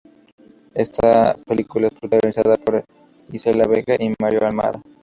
Esta película es protagonizada por Isela Vega y Mario Almada.